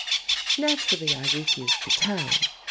Naturally, I refused to tell.